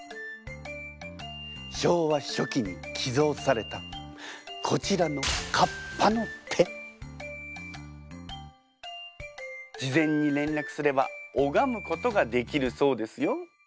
昭和初期に寄贈されたこちらの事前に連絡すれば拝むことができるそうですよ。